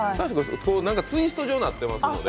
ツイスト状になってますけど。